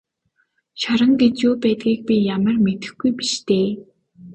Шорон гэж юу байдгийг би ямар мэдэхгүй биш дээ.